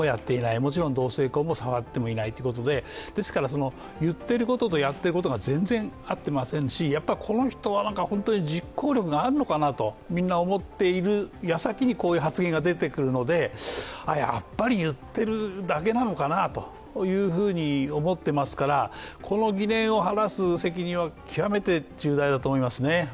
もちろん同性婚も触ってもいないということで、言っていることとやっていることが全然合っていませんし、この人は本当に実行力があるのかなとみんな思っている矢先にこういう発言が出てくるので、やはり言っているだけなのかなと思っていますから、この疑念を晴らす責任は極めて重大だと思いますね。